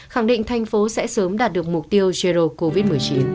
khẳng định thành phố sẽ sớm đạt được mục tiêu erdo covid một mươi chín